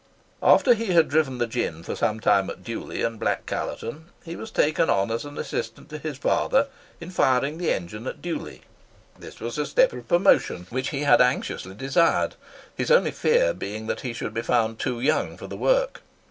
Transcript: After he had driven the gin for some time at Dewley and Black Callerton, he was taken on as an assistant to his father in firing the engine at Dewley. This was a step of promotion which he had anxiously desired, his only fear being lest he should be found too young for the work.